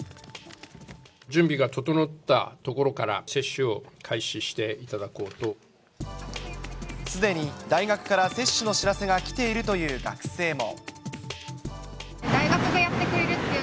準備が整ったところから接種すでに大学から接種の知らせが来ているという学生も。